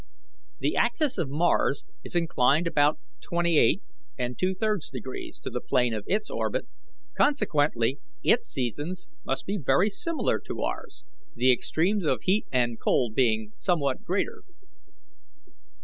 The axis of Mars is inclined about twenty eight and two thirds degrees to the plane of its orbit; consequently its seasons must be very similar to ours, the extremes of heat and cold being somewhat greater.